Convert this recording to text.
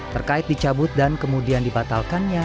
terkait dicabut dan kemudian dibatalkannya